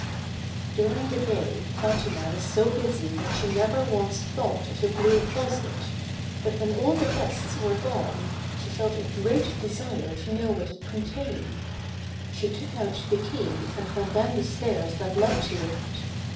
During the day, Fatima was so busy that she never once thought of the Blue Closet, but when all the guests were gone, she felt a great desire to know what it contained. She took out the key, and went down the stairs that led to it.